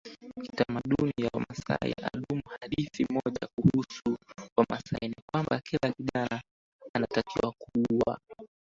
kitamaduni ya Wamasai Adumu Hadithi moja kuhusu Wamasai ni kwamba kila kijana anatakiwa kuua